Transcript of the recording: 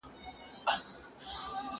زه به مېوې خوړلې وي